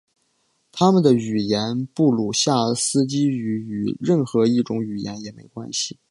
他们的语言布鲁夏斯基语与任何一种语言也没关系。